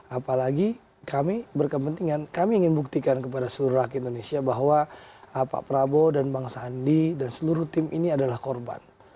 apalagi kami berkepentingan kami ingin buktikan kepada seluruh rakyat indonesia bahwa pak prabowo dan bang sandi dan seluruh tim ini adalah korban